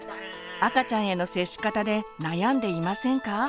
赤ちゃんへの接し方で悩んでいませんか？